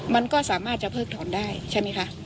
มันก็สามารถจะเพิกถอนได้ใช่ไหมคะ